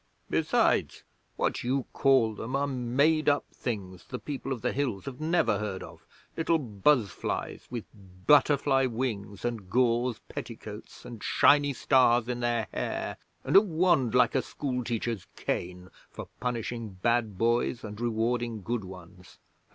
Besides, what you call them are made up things the People of the Hills have never heard of little buzzflies with butterfly wings and gauze petticoats, and shiny stars in their hair, and a wand like a schoolteacher's cane for punishing bad boys and rewarding good ones.